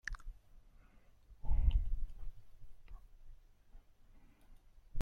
Ederto, xehetasunetan sartu gabe, Martini erantzun ohi ziona.